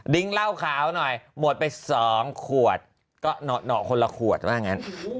เหล้าขาวหน่อยหมดไป๒ขวดก็หน่อคนละขวดว่างั้น